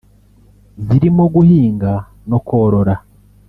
zirimo guhinga no korora